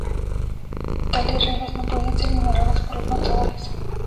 Tales reglas no podían ser ignoradas por los matadores.